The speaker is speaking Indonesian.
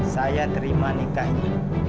saya terima nikah ini